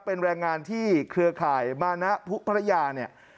เป็นแรงงานที่เครือข่ายบ้านนะภุคณะพระยาเนี่ย